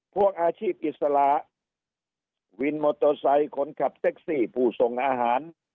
พวกอาชีพอิสระวินโมโตไซค์คนขับเซ็กซี่ผู้ส่งอาหาร